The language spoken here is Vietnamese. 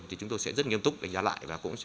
thì chúng tôi sẽ rất nghiêm túc đánh giá lại